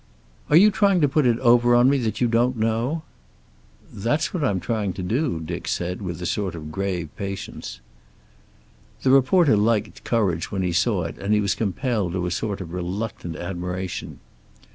"Are you trying to put it over on me that you don't know?" "That's what I'm trying to do," Dick said, with a sort of grave patience. The reporter liked courage when he saw it, and he was compelled to a sort of reluctant admiration.